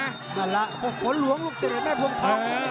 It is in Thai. นั่นล่ะขนหลวงลูกเสร็จแม่พวงทอง